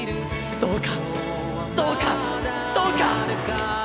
どうか！